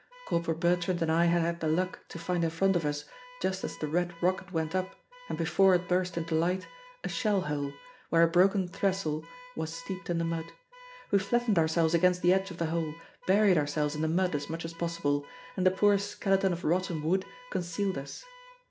Corporal Bertrand and I had had the luck to find in front of us, just as the red rocket went up and before it burst into light, a shell hole, where a broken trestle was steeped in the mud. We flattened ourselves against the edge of the hole, buried ourselves in the mud as much as possible, and the poor skeleton of rotten wood concealed us.